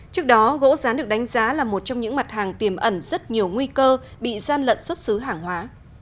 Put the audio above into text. trước đó gỗ rán được đánh giá là một trong những mặt hàng tiềm ẩn rất nhiều nguy cơ bị gian lận xuất xứ hàng hóa